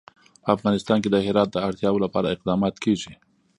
په افغانستان کې د هرات د اړتیاوو لپاره اقدامات کېږي.